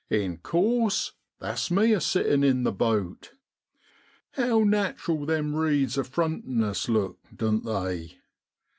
In course that's me a sitting in the boat. How natural them reeds a frontin' us look, doan't they